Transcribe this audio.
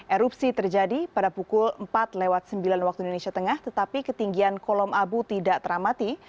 erupsi terjadi pada pukul empat sembilan wib tetapi ketinggian kolom abu tidak teramati